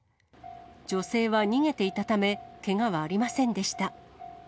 女性は逃げていたため、けがはありませんでした。